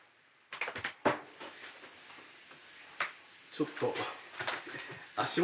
ちょっと。